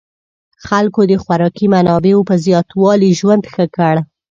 خلکو د خوراکي منابعو په زیاتوالي ژوند ښه کړ.